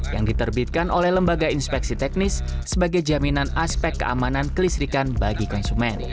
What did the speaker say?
yang diterbitkan oleh lembaga inspeksi teknis sebagai jaminan aspek keamanan kelistrikan bagi konsumen